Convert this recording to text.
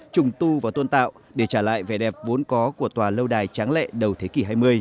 trùng tu và tôn tạo để trả lại vẻ đẹp vốn có của tòa lâu đài tráng lệ đầu thế kỷ hai mươi